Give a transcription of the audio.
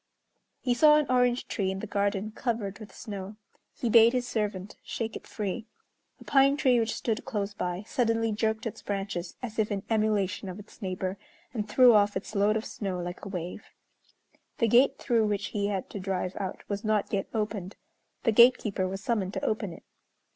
He saw an orange tree in the garden covered with snow. He bade his servant shake it free. A pine tree which stood close by suddenly jerked its branches as if in emulation of its neighbor, and threw off its load of snow like a wave. The gate through which he had to drive out was not yet opened. The gatekeeper was summoned to open it.